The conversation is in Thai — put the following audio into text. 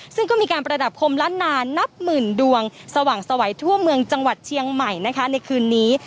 ซึ่งก็มีการประดับคมล้านนานับหมื่นดวงสว่างสวัยทั่วเมืองจังหวัดเชียงใหม่นะคะในคืนนี้